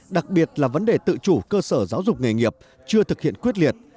đặc biệt là vấn đề tự chủ cơ sở giáo dục nghề nghiệp chưa thực hiện quyết liệt